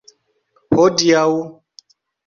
hodiaŭ